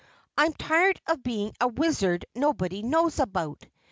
I'm tired of being a wizard nobody knows about.